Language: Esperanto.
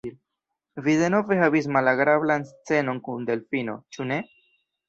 Vi denove havis malagrablan scenon kun Delfino; ĉu ne?